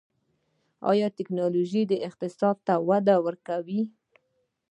آیا ټیکنالوژي اقتصاد ته وده ورکوي؟